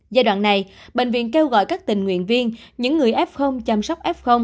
giai đoạn này bệnh viện kêu gọi các tình nguyện viên những người f chăm sóc f